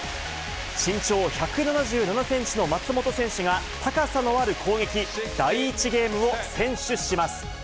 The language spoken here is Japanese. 身長１７７センチの松本選手が、高さのある攻撃、第１ゲームを先取します。